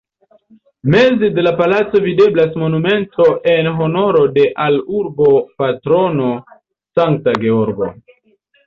Meze de la placo videblas monumento en honoro de al urba patrono Sankta Georgo.